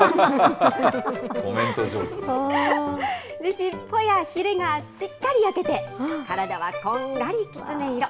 尻尾やひれがしっかり焼けて、体はこんがりきつね色。